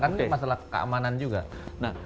karena ini masalah keamanan juga